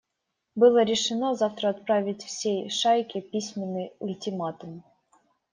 Было решено завтра отправить всей шайке письменный ультиматум.